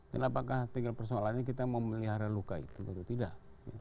dan apakah tinggal persoalannya kita mau melihara luka itu atau tidak